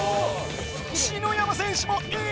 篠山選手もイン！